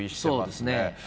そうですね。